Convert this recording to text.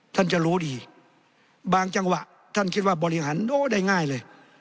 ท่านจะรู้ดีบางจังหวะท่านคิดว่าบริหารโอ้ได้ง่ายเลย